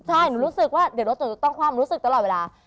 ใช่หนูรู้สึกว่าเดี๋ยวรถจะต้องความรู้สึกตลอดเวลา